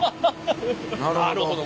なるほど。